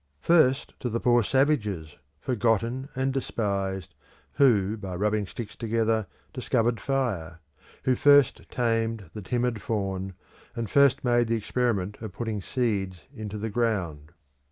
First, to the poor savages, forgotten and despised, who, by rubbing sticks together, discovered fire, who first tamed the timid fawn, and first made the experiment of putting seeds into the ground.